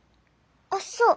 あっそう。